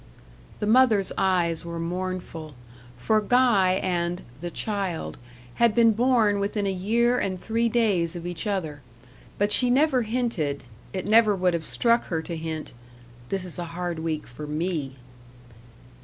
The mother's eyes were mournful, for Guy and "the child" had been born within a year and three days of each other; but she never hinted it never would have struck her to hint "this is a hard week for ME."